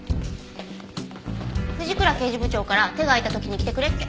藤倉刑事部長から手が空いた時に来てくれって。